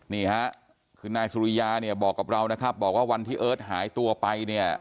นี่ฮะคือนายสุริยาเนี่ยบอกกับเรานะครับบอกว่าวันที่เอิร์ทหายตัวไปเนี่ย